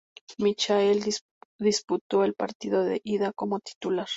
Michel disputó el partido de ida como titular.